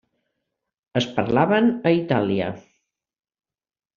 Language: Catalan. Es parlaven a Itàlia.